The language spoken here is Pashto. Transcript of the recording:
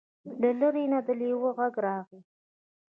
له لرې نه د لیوه غږ راغی.